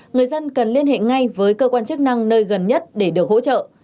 người dân cần liên hệ ngay với cơ quan chức năng nơi gần nhất để được hỗ trợ